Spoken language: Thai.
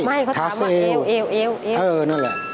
ไม่เขาถามว่าเอวเอวเอวเออนั่นแหละ